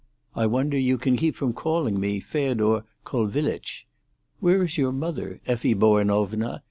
"I wonder you can keep from calling me Fedor Colvillitch. Where is your mother, Effie Bowenovna?"